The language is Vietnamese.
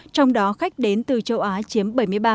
trong đó khách đến từ châu á chiếm bảy mươi ba